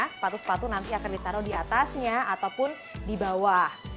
sepatu sepatu nanti akan ditaruh di atasnya ataupun di bawah